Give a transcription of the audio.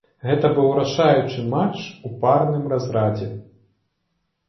Гэта быў рашаючы матч у парным разрадзе.